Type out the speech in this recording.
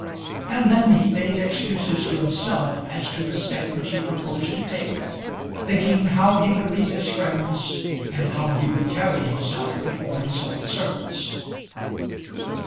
And then he made excuses to himself as to the step which he proposed to take, thinking how he would meet his friends, and how he would carry himself before his old servants.